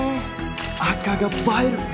赤が映える・